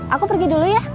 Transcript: aku pergi dulu ya